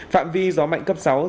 phạm vi gió mạnh cấp sáu